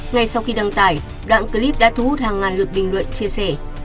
ngay sau khi đăng tải đoạn clip đã thu hút hàng ngàn lượt bình luận chia sẻ